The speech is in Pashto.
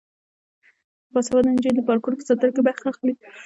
باسواده نجونې د پارکونو په ساتنه کې برخه اخلي.